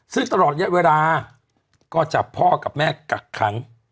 ซึ่งตลอดเยอะเวลาก็จับพ่อกับแม่กักขัง